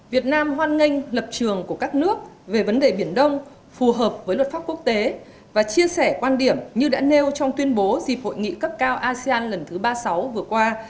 việt nam hoan nghênh lập trường của các nước về vấn đề biển đông phù hợp với luật pháp quốc tế và chia sẻ quan điểm như đã nêu trong tuyên bố dịp hội nghị cấp cao asean lần thứ ba mươi sáu vừa qua